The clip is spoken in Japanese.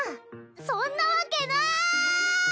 そんなわけない！